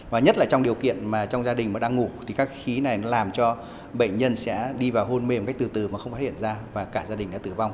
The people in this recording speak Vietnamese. và nhất là trong điều kiện mà trong gia đình đang ngủ thì các khí này làm cho bệnh nhân sẽ đi vào hôn mềm cách từ từ mà không thể hiện ra và cả gia đình đã tử vong